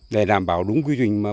tôi làm theo chương trình việt gáp này